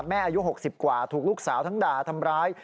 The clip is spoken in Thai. อายุ๖๐กว่าถูกลูกสาวทั้งด่าทำร้าย